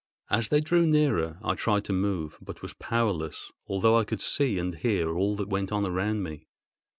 As they drew nearer I tried to move, but was powerless, although I could see and hear all that went on around me.